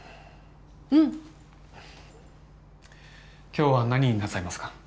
うんっ今日は何になさいますか？